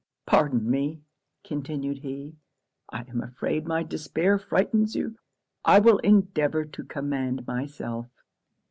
'Pardon me,' continued he 'I am afraid my despair frightens you I will endeavour to command myself.'